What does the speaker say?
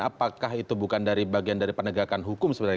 apakah itu bukan dari bagian dari penegakan hukum sebenarnya